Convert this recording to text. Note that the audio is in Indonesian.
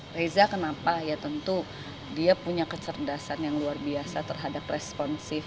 reza kenapa ya tentu dia punya kecerdasan yang luar biasa terhadap responsif